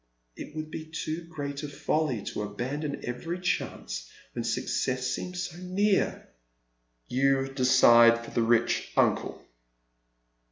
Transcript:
" It would be too great a folly to abandon every chance when success seems so near." " You decide for the rich uncle